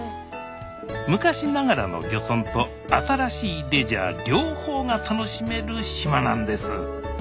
昔ながらの漁村と新しいレジャー両方が楽しめる島なんです